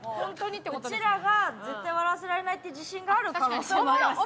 うちらが絶対笑わせられないっていう自信がある可能性もあります。